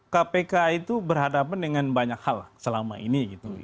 kpk itu berhadapan dengan banyak hal selama ini